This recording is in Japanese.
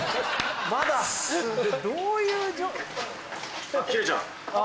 ・まだどういう・あっ